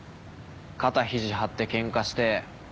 肩肘張ってケンカして。